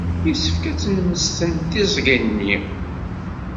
Yessefk ad nemmesten tiẓgi-nni.